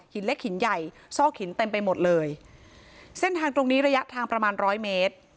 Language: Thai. เล็กหินใหญ่ซอกหินเต็มไปหมดเลยเส้นทางตรงนี้ระยะทางประมาณร้อยเมตร